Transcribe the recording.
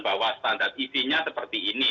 bahwa standar isinya seperti ini